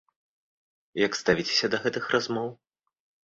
Як ставіцеся да гэтых размоў?